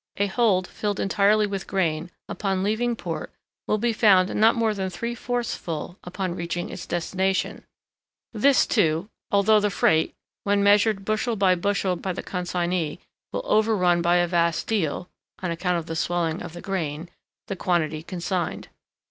A hold filled entirely with grain upon leaving port will be found not more than three fourths full upon reaching its destination—this, too, although the freight, when measured bushel by bushel by the consignee, will overrun by a vast deal (on account of the swelling of the grain) the quantity consigned.